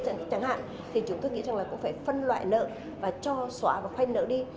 chẳng hạn thì chúng tôi nghĩ rằng là cũng phải phân loại nợ và cho xóa và khoay nợ đi